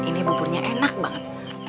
ini bukannya enak banget